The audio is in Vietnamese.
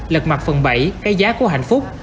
lật mặt phần bảy cái giá của hạnh phúc